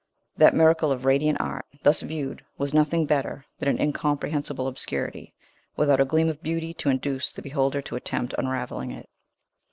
That miracle of radiant art, thus viewed, was nothing better than an incomprehensible obscurity, without a gleam of beauty to induce the beholder to attempt unravelling it.